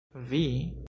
Vi?